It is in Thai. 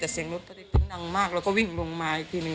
แต่เสียงรถก็ได้ปิ๊งดังมากแล้วก็วิ่งลงมาอีกทีหนึ่ง